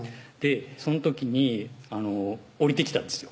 その時に降りてきたんですよ